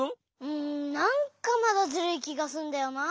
うんなんかまだズルいきがするんだよな。